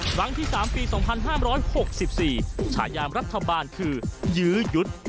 ครั้งที่สามปี๒๕๖๔ฉายามรัฐบาลคือยืยุทธ์